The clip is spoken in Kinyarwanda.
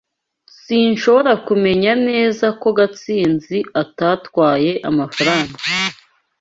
S] Sinshobora kumenya neza ko Gatsinzi atatwaye amafaranga.